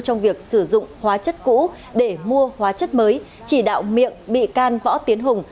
trong việc sử dụng hóa chất cũ để mua hóa chất mới chỉ đạo miệng bị can võ tiến hùng